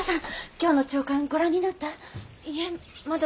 今日の朝刊ご覧になった？